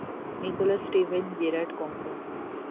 Nicolas Steven Gerrard company.